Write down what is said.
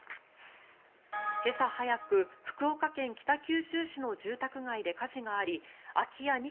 今朝早く福岡県北九州市の住宅街で火事があり空き家